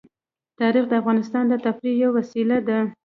تاریخ د افغانانو د تفریح یوه وسیله ده.